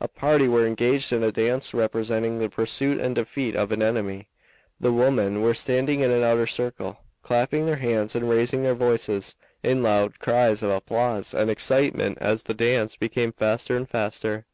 A party were engaged in a dance representing the pursuit and defeat of an enemy. The women were standing in an outer circle, clapping their hands and raising their voices in loud cries of applause and excitement as the dance became faster and faster.